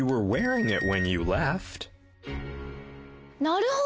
．なるほど。